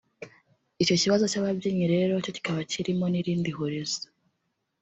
Icyo kibazo cy’ababyinnyi rero cyo kikaba kirimo n’irindi hurizo